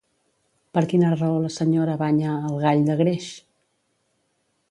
Per quina raó la senyora banya al gall de greix?